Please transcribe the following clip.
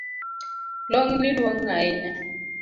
Long’ni duong’ ahinya